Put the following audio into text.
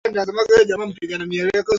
Sehemu hiyo huwa kunatokea miujiza kama hiyo